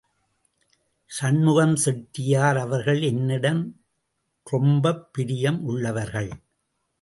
சண்முகம் செட்டியார் அவர்கள் என்னிடம் ரொம்பப் பிரியம் உள்ளவர்கள்.